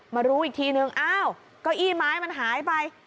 มารู้อีกทีนึงอ้าวเก้าอี้ไม้มันหายไป